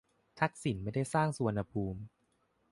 ทักษิณไม่ได้สร้างสุวรรณภูมิ